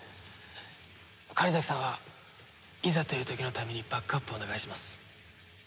狩崎さんはいざという時のためにバックアップをお願いします。